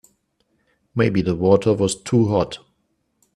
Maybe the water was too hot.